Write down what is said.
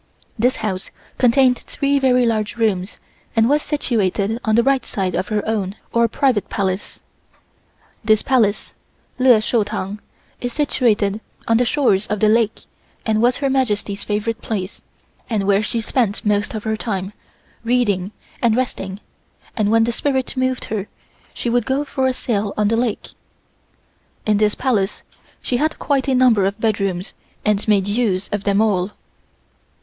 This house contained three very large rooms and was situated on the right side of her own or private Palace. This Palace Ler Shou Tong (Ever Happy Palace) is situated on the shores of the lake and was Her Majesty's favorite place and where she spent most of her time, reading and resting and when the spirit moved her she would go for a sail on the lake. In this Palace she had quite a number of bedrooms and made use of them all.